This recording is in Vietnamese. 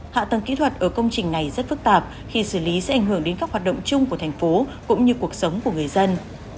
hạ tầng kỹ thuật ở công trình này rất phức tạp khi xử lý sẽ ảnh hưởng đến các hoạt động chung của thành phố cũng như cuộc sống của người dân